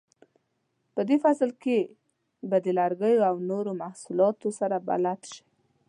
په دې فصل کې به د لرګیو له نورو محصولاتو سره بلد شئ.